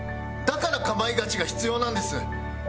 だから『かまいガチ』が必要なんです。